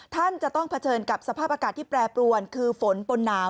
ท่านจะต้องเผชิญกับสภาพอากาศที่แปรปรวนคือฝนปนหนาว